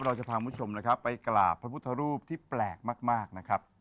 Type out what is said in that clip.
เราจะพาคุณผู้ชมนะครับไปกราบพระพุทธรูปที่แปลกมากนะครับ